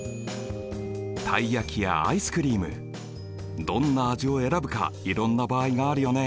たい焼きやアイスクリームどんな味を選ぶかいろんな場合があるよね。